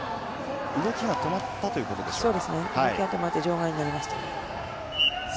動きが止まったということでしょうか。